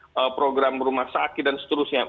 mereka adalah orang orang praktisi praktisinya sesungguhnya